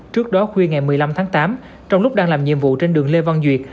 trước đó khuya ngày một mươi năm tháng tám trong lúc đang làm nhiệm vụ trên đường lê văn duyệt